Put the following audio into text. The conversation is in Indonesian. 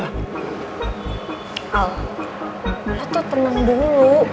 al lo tuh tenang dulu